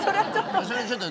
それはちょっと。